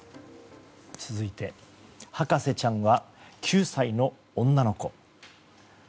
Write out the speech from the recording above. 続いて博士ちゃんは９歳の女の子。